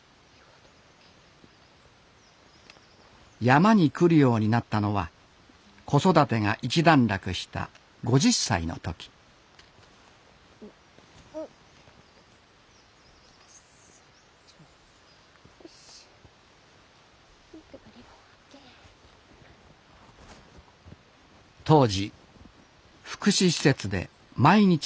山に来るようになったのは子育てが一段落した５０歳の時当時福祉施設で毎日３００食を作っていた安東さん。